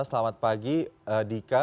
selamat pagi dika